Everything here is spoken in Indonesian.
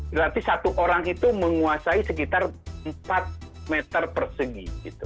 berarti satu orang itu menguasai sekitar empat meter persegi